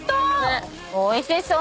おいしそう。